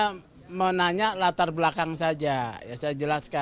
saya mau nanya latar belakang saja saya jelaskan